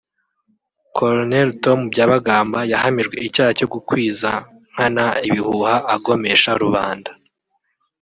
Col Tom Byabagamba yahamijwe icyaha cyo gukwiza nkana ibihuha agomesha rubanda